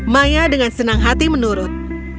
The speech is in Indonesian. maya dengan senang hati menurut